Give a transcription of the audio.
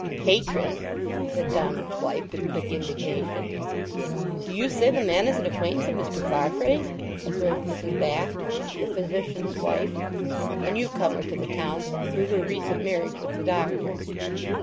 "Patron!" said Donald's wife with quick indignation. "Do you say the man is an acquaintance of Mr. Farfrae's?" observed Mrs. Bath, the physician's wife, a new comer to the town through her recent marriage with the doctor.